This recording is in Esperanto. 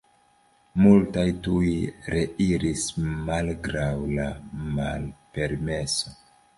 Multaj tuj reiris malgraŭ la malpermeso.